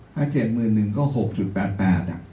ถ้า๗๑๐๐๐ก็๖๘๘อ่ะ